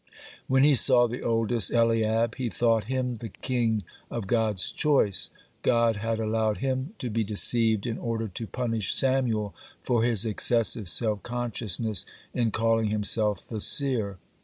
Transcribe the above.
When he saw the oldest, Eliab, he thought him the king of God's choice. God had allowed him to be deceived, in order to punish Samuel for his excessive self consciousness in calling himself the seer.